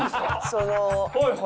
その。